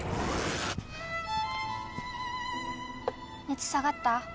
熱下がった？